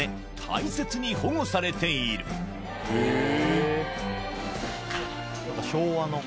大切に保護されているへぇ。